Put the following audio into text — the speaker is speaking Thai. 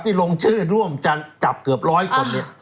ลงชื่อร่วมจะจับเกือบร้อยคนเนี่ย